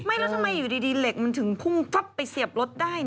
แล้วทำไมอยู่ดีเหล็กมันถึงพุ่งฟับไปเสียบรถได้